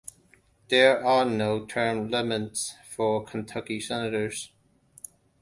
There are no term limits for Kentucky Senators.